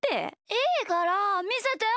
いいからみせてよ！